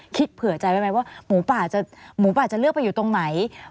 คิดเผื่อใจไว้ไหมว่าหมูป่าจะเลือกไปอยู่ตรงไหน